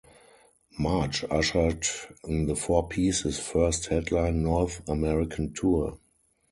March ushered in the four pieces first headline North American tour.